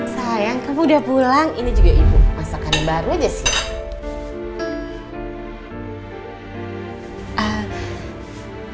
sayang kamu udah pulang ini juga ibu masakan yang baru aja sih